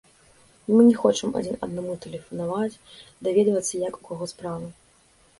Мы не хочам адзін аднаму тэлефанаваць, даведвацца, як у каго справы.